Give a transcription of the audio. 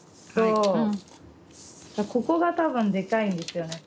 ここが多分でかいんですよね。